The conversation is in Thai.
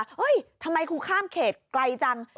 เฮ้ยทำไมครูข้ามเขตไกลจัง